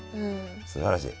すばらしい。